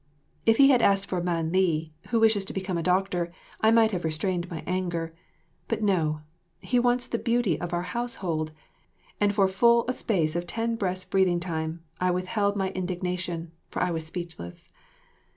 If he had asked for Man li, who wishes to become a doctor, I might have restrained my anger; but, no, he wants the beauty of our house hold, and for full a space of ten breaths' breathing time, I withheld my indignation, for I was speechless.